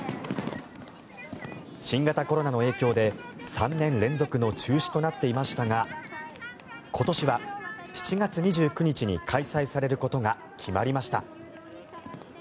新型コロナの影響で、３年連続の中止となっていましたが今年は７月２９日に開催されることが決まりました。